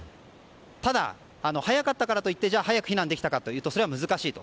ただ、早かったからといって早く避難できたかというとそれは難しいと。